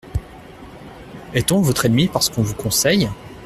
Est-on votre ennemi parce qu’on vous conseille ?